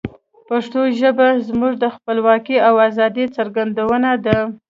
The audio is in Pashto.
پښتو ژبه زموږ د خپلواکۍ او آزادی څرګندونه ده.